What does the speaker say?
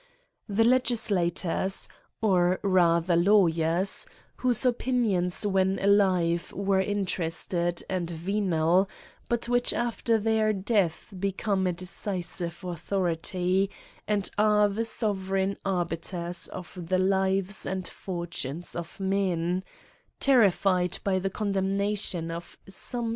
The legislators, (or rather lawyers, whose opinions when alive were interested and venal, but which after their death become of decisive authority, and are thp sovereign arbiters of the lives and fortunes of men), terrified by the condemnation of som^ in.